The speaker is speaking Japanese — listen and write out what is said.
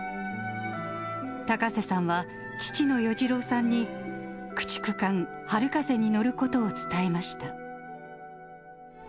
高瀬さんは、父の與二郎さんに駆逐艦春風に乗ることを伝えました。